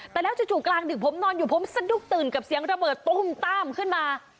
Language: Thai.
แต่แล้วจู่กลางดึกผมนอนอยู่ผมสะดุกตื่นกับเสียงระเบิดตุ้มต้ามขึ้นมา